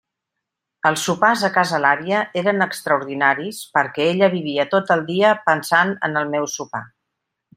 Els sopars a casa l'àvia eren extraordinaris perquè ella vivia tot el dia pensant en el meu sopar.